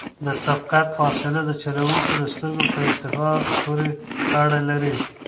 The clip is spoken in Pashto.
د سبقت فاصله د چلوونکي د سترګو په ارتفاع پورې اړه لري